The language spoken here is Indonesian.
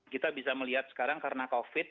kita bisa melihat sekarang karena covid